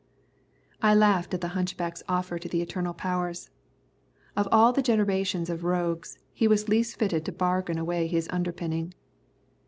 I laughed at the hunchback's offer to the Eternal Powers. Of all the generation of rogues, he was least fitted to barter away his underpinning.